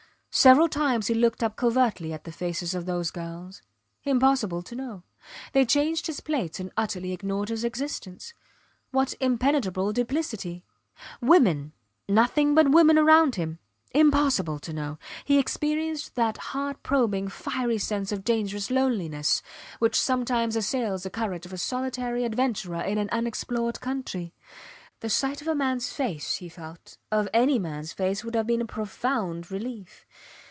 Several times he looked up covertly at the faces of those girls. Impossible to know. They changed his plates and utterly ignored his existence. What impenetrable duplicity. Women nothing but women round him. Impossible to know. He experienced that heart probing, fiery sense of dangerous loneliness, which sometimes assails the courage of a solitary adventurer in an unexplored country. The sight of a mans face he felt of any mans face, would have been a profound relief.